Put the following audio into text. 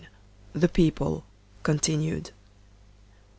The People (Continued).